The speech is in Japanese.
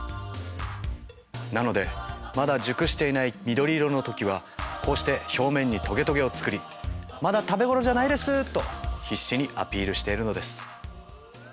なのでまだ熟していない緑色の時はこうして表面にトゲトゲを作り「まだ食べ頃じゃないです」と必死にアピールしているのです。